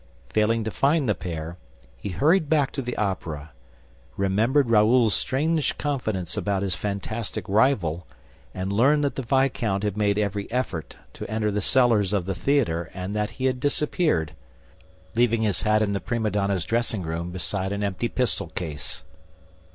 Failing to find the pair, he hurried back to the Opera, remembered Raoul's strange confidence about his fantastic rival and learned that the viscount had made every effort to enter the cellars of the theater and that he had disappeared, leaving his hat in the prima donna's dressing room beside an empty pistol case.